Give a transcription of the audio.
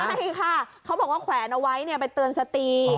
ใช่ค่ะเขาบอกว่าแขวนเอาไว้ไปเตือนสติ